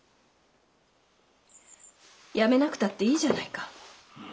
やめなくたっていいじゃないか。